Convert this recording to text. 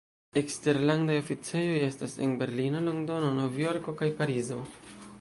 Eksterlandaj oficejoj estas en Berlino, Londono, Novjorko kaj Parizo.